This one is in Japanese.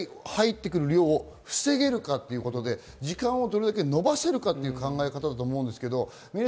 どのぐらい入ってくる量を防げるかということで、時間をどれだけ延ばせるかという考え方だと思います。